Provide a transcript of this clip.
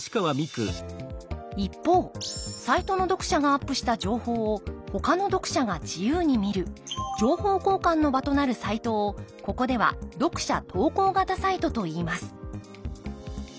一方サイトの読者がアップした情報をほかの読者が自由に見る情報交換の場となるサイトをここでは読者投稿型サイトといいます